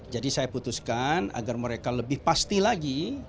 jadi saya putuskan agar mereka lebih pasti lagi